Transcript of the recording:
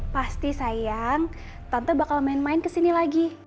pasti sayang tante bakal main main kesini lagi